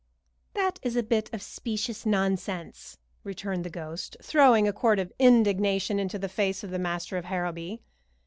"That is a bit of specious nonsense," returned the ghost, throwing a quart of indignation into the face of the master of Harrowby.